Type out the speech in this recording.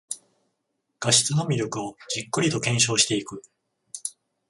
画質の魅力をじっくりと検証していく